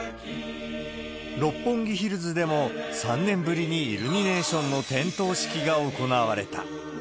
六本木ヒルズでも、３年ぶりにイルミネーションの点灯式が行われた。